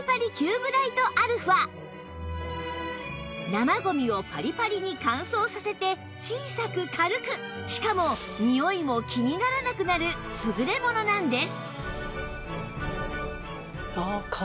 生ゴミをパリパリに乾燥させて小さく軽くしかもにおいも気にならなくなる優れものなんです